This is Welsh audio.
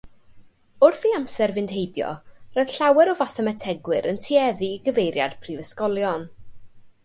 Wrth i amser fynd heibio, roedd llawer o fathemategwyr yn tueddu i gyfeiriad prifysgolion.